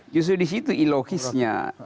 justru di situ ilogisnya